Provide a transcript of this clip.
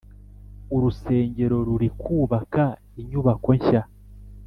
urusengero ruri kubaka inyubako nshya